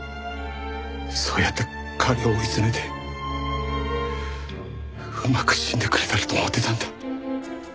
そうやって彼を追い詰めてうまく死んでくれたらと思ってたんだ。